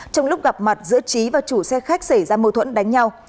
trong lúc gặp mặt giữa trí và chủ xe khách xảy ra mâu thuẫn đánh nhau